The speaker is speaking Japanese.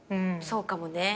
そうかも。